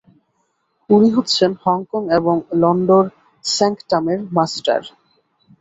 উনি হচ্ছেন হংকং এবং লন্ডন স্যাঙ্কটামের মাস্টার।